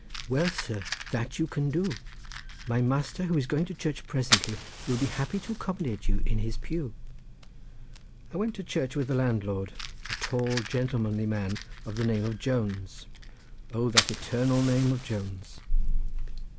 "Well, sir! that you can do. My master, who is going to church presently, will be happy to accommodate you in his pew." I went to the church with the landlord, a tall gentlemanly man of the name of Jones—O that eternal name of Jones!